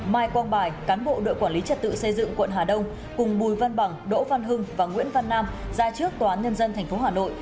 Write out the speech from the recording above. mai quang bài cán bộ đội quản lý trật tự xây dựng quận hà đông cùng bùi văn bằng đỗ văn hưng và nguyễn văn nam ra trước tòa án nhân dân tp hà nội